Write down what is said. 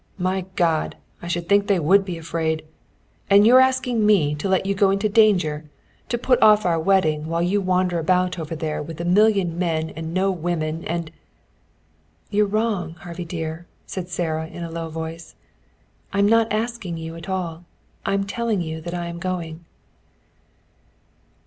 My God, I should think they would be afraid! And you're asking me to let you go into danger, to put off our wedding while you wander about over there with a million men and no women and " "You're wrong, Harvey dear," said Sara Lee in a low voice. "I am not asking you at all. I am telling you that I am going."